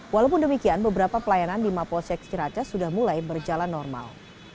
walaupun demikian beberapa pelayanan di mapolsek ciracas sudah mulai berjalan normal